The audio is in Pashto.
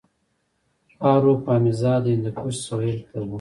پاروپامیزاد د هندوکش سویل ته و